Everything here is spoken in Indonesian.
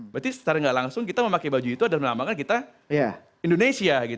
berarti secara gak langsung kita memakai baju itu adalah melambangkan kita indonesia